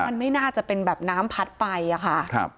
มันไม่น่าจะเป็นแบบน้ำพัดไปอะค่ะ